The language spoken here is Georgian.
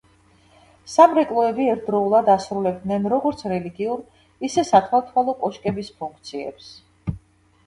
სამრეკლოები ერთდროულად ასრულებდნენ როგორც რელიგიურ, ისე სათვალთვალო კოშკების ფუნქციებს.